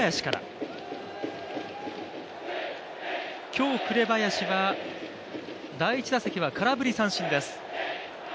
今日、紅林は第１打席は空振り三振です。